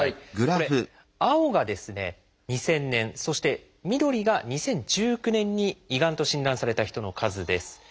これ青が２０００年そして緑が２０１９年に胃がんと診断された人の数です。